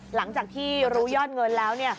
หลังจากที่รู้ยอดเงินแล้ว